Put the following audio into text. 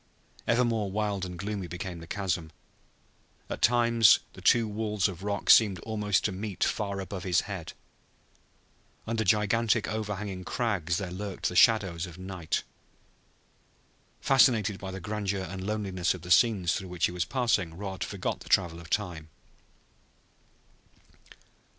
Ever more wild and gloomy became the chasm. At times the two walls of rock seemed almost to meet far above his head; under gigantic, overhanging crags there lurked the shadows of night. Fascinated by the grandeur and loneliness of the scenes through which he was passing Rod forgot the travel of time.